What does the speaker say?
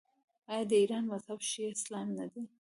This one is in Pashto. آیا د ایران مذهب شیعه اسلام نه دی؟